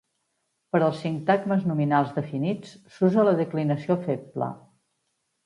Per als sintagmes nominals definits, s'usa la declinació feble.